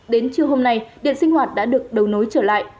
đến trưa hôm nay điện sinh hoạt đã được đầu nối trở lại